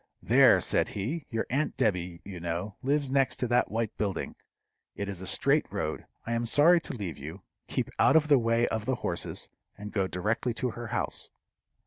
"There," said he, "your aunt Debby, you know, lives next to that white building. It is a straight road. I am sorry to leave you. Keep out of the way of the horses, and go directly to her house."